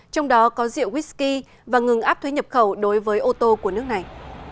trong đó có rượu whisky và ngừng áp thuế nhập khẩu đối với ô tô của nước này